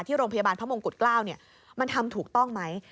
โรงพยาบาลพระมงกุฎเกล้ามันทำถูกต้องไหม